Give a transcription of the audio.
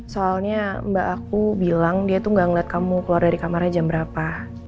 soalnya mbak aku bilang dia tuh gak ngeliat kamu keluar dari kamarnya jam berapa